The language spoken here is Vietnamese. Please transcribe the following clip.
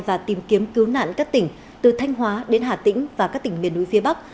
và tìm kiếm cứu nạn các tỉnh từ thanh hóa đến hà tĩnh và các tỉnh miền núi phía bắc